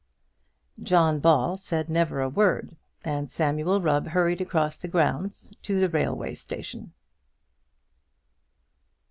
John Ball said never a word, and Samuel Rubb hurried across the grounds to the railway station.